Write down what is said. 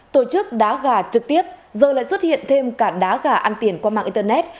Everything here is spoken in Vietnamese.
tổ chức đá gà trực tiếp giờ lại xuất hiện thêm cả đá gà ăn tiền qua mạng internet